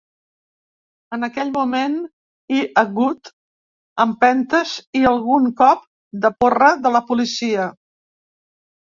En aquell moment hi hagut empentes i algun cop de porra de la policia.